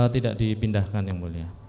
tidak dipindahkan yang mulia